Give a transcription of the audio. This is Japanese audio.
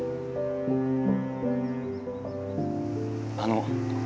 あの。